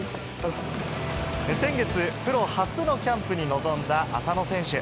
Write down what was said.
先月、プロ初のキャンプに臨んだ浅野選手。